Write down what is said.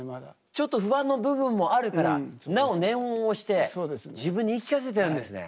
ちょっと不安な部分もあるからなお念を押して自分に言い聞かせてるんですね。